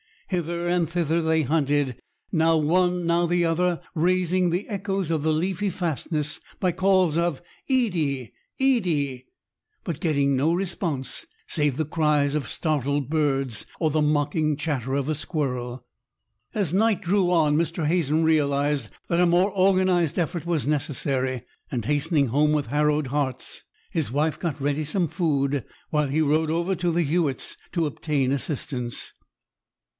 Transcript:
Hither and thither they hunted, now one and now the other raising the echoes of the leafy fastness by calls of "Edie! Edie!" but getting no response save the cries of startled birds or the mocking chatter of a squirrel. As night drew on Mr. Hazen realized that a more organized effort was necessary; and hastening home with harrowed hearts, his wife got ready some food, while he rode over to Hewett's to obtain assistance.